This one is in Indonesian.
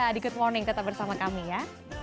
di good morning tetap bersama kami ya